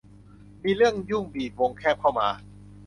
มีเรื่องยุ่งบีบวงแคบเข้ามา